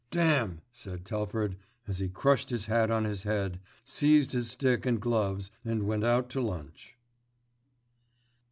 "Damn!" said Telford, as he crushed his hat on his head, seized his stick and gloves and went out to lunch.